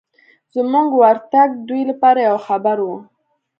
زموږ ورتګ دوی لپاره یو خبر و.